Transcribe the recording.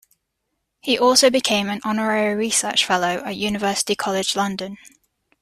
He also became an honorary research fellow at University College London.